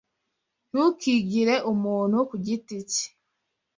Ntukigire umuntu ku giti cye.